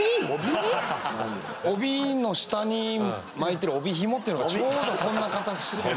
帯の下に巻いてる帯ひもっていうのがちょうどこんな形してる。